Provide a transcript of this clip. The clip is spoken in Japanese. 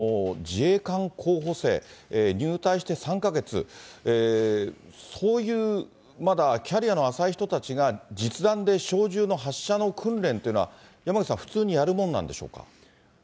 また起きたなという、このあと、幕僚長の会見が行われるんですが、自衛官候補生、入隊して３か月、そういうまだキャリアの浅い人たちが、実弾で小銃の発射の訓練というのは、山口さん、普通にやるものなんでしょうか。